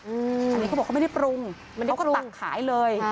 อันนี้เขาบอกเขาไม่ได้ปรุงเขาก็ตักขายเลย